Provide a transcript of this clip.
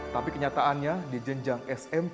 tapi kenyataannya di jenjang smp